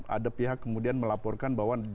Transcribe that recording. ada pihak kemudian melaporkan bahwa